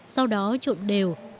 sau đó trộn đều